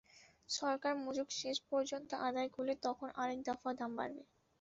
সরকার মূসক শেষ পর্যন্ত আদায় করলে তখন আরেক দফা দাম বাড়বে।